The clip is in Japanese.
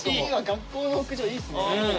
学校の屋上いいっすね。